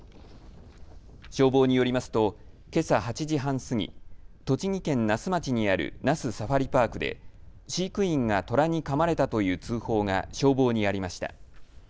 消防によりますとけさ８時半過ぎ、栃木県那須町にある那須サファリパークで飼育員がトラにかまれたという通報が消防にありました。